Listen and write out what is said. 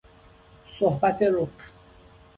صحبت رک